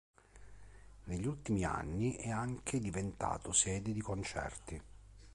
Negli ultimi anni è anche diventato sede di concerti.